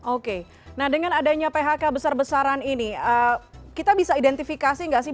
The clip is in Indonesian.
oke nah dengan adanya phk besar besaran ini kita bisa identifikasi nggak sih